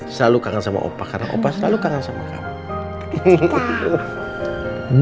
selalu kangen sama opa karena opa selalu kangen sama kamu